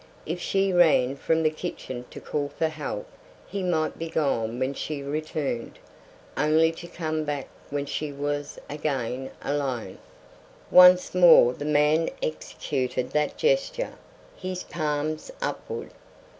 If she ran from the kitchen to call for help he might be gone when she returned, only to come back when she was again alone. Once more the man executed that gesture, his palms upward.